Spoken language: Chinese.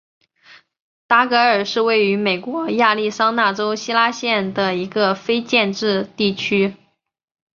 达格尔是位于美国亚利桑那州希拉县的一个非建制地区。